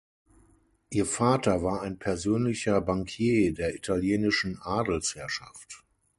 Ihr Vater war ein persönlicher Bankier der italienischen Adelsherrschaft.